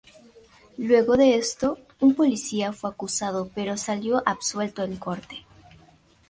Luego de esto, un policía fue acusado pero salió absuelto en corte.